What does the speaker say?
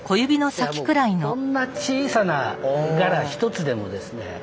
もうこんな小さなガラ一つでもですね